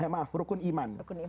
maaf rukun iman